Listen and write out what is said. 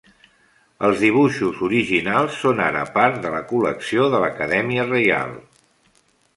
Els dibuixos originals són ara part de la col·lecció de l'Acadèmia Reial.